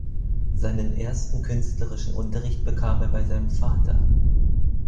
Seinen ersten künstlerischen Unterricht bekam er bei seinem Vater.